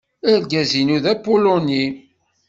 Argaz-inu d apuluni.